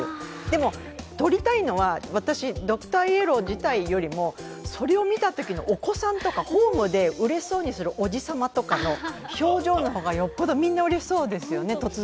でも、撮りたいのは、私は、ドクターイエロー自体よりもそれを見たときのお子さんとか、ホームでうれしそうにするおじさまとかの表情の方が、よほどみんなうれしそうですよね。